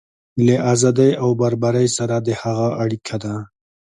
له ازادۍ او برابرۍ سره د هغه اړیکه ده.